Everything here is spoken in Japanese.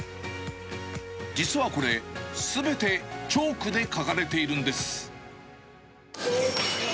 実はこれ、すべてチョークで描かれているんです。